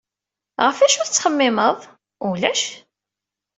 Ɣef acu tettxemmimeḍ? Ulac...